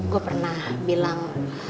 gue pernah bilang